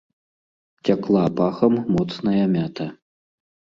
Цякла пахам моцная мята.